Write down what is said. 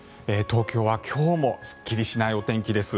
東京は今日もすっきりしないお天気です。